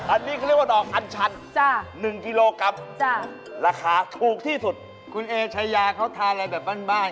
อันนี้เขาเรียกว่าดอกอันชัน๑กิโลกรัมราคาถูกที่สุดคุณเอชายาเขาทานอะไรแบบบ้าน